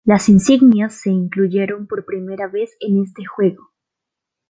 Las Insignias se incluyeron por primera vez en este juego.